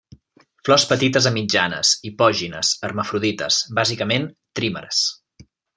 Flors petites a mitjanes, hipògines, hermafrodites, bàsicament trímeres.